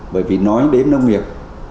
bởi vì nói đến nông nghiệp